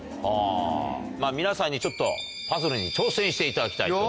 はぁまぁ皆さんにちょっとパズルに挑戦していただきたいと。